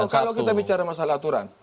kalau kita bicara masalah aturan